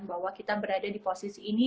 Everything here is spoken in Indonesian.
bahwa kita berada di posisi ini